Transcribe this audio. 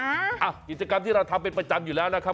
กิจกรรมที่เราทำเป็นประจำอยู่แล้วนะครับ